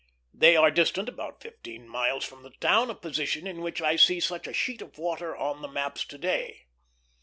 They are distant about fifteen miles from the town, a position in which I see such a sheet of water on the maps of to day.